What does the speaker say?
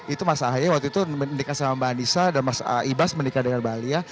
itu mas ahaye waktu itu menikah sama mbak anissa dan mas ibas menikah dengan bali ya